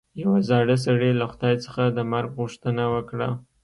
یوه زاړه سړي له خدای څخه د مرګ غوښتنه وکړه.